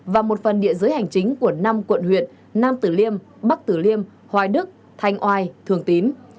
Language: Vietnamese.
và một phần địa giới hành chính của năm quận huyện nam tử liêm bắc tử liêm hoài đức thanh oai thường tín